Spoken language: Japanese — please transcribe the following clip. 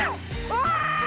うわ！